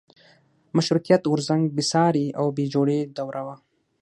مشروطیت غورځنګ بېسارې او بې جوړې دوره وه.